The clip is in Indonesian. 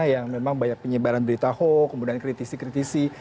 yang memang banyak penyebaran berita hoax kemudian kritisi kritisi